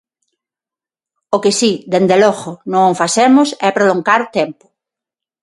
O que si, dende logo, non facemos é prolongar o tempo.